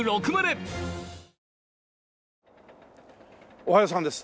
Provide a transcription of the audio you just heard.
おはようさんです。